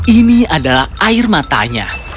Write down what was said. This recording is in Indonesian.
ini adalah air matanya